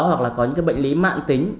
hoặc là có những bệnh lý mạng tính